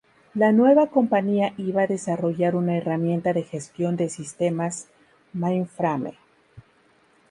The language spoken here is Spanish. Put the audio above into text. La nueva compañía iba a desarrollar una herramienta de gestión de sistemas mainframe.